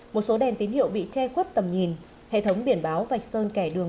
một số đèn tín hiệu bị che khuất tầm nhìn hệ thống biển báo vạch sơn kẻ đường